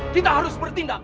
kita harus bertindak